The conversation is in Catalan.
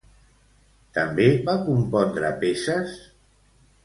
També va compondre peces?